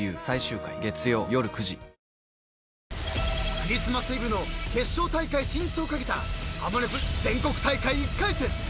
［クリスマスイブの決勝大会進出を懸けた『ハモネプ』全国大会１回戦］